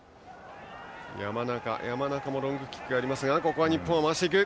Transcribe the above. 山中もロングキックがありますがここは日本が回していく。